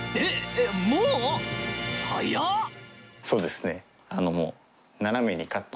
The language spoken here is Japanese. そうですね。